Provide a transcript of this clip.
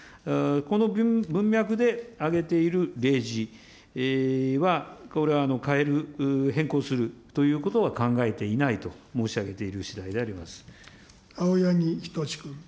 この文脈で挙げている例示はこれは変える、変更するということは考えていないと申し上げているしだいであり青柳仁士君。